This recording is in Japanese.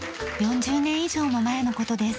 ４０年以上も前の事です。